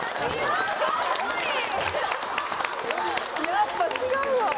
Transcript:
・やっぱ違うわ。